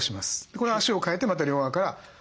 これ足を変えてまた両側から押す。